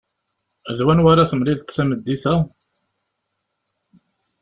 D wanwa ara temlileḍ tameddit-a?